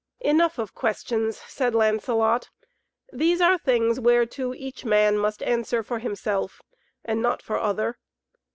"Enough of questions!" said Lancelot. "These are things whereto each man must answer for himself, and not for other.